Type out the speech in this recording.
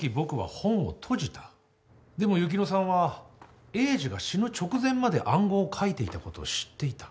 でも雪乃さんは栄治が死ぬ直前まで暗号を書いていたことを知っていた。